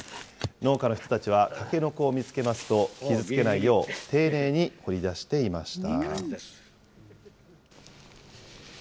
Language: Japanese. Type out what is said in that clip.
農家の人たちはたけのこを見つけますと、傷つけないよう、丁寧に掘り出していました。